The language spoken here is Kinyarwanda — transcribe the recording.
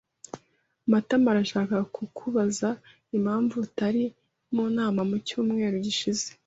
Matama arashaka kukubaza impamvu utari mu nama mu cyumweru gishize.